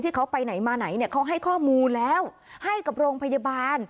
ที่เขาไปไหนมาไหนเนี่ยเขาให้ข้อมูลแล้วให้กับโรงพยาบาล